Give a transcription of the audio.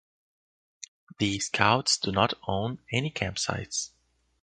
The Scouts do not own any campsites.